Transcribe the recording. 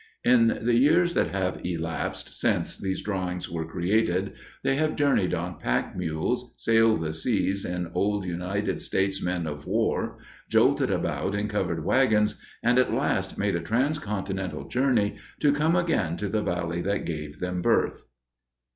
In the years that have elapsed since these drawings were created, they have journeyed on pack mules, sailed the seas in old United States men of war, jolted about in covered wagons, and at last made a transcontinental journey to come again to the valley that gave them birth.